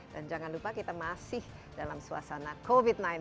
dan jangan lupa kita masih dalam suasana covid sembilan belas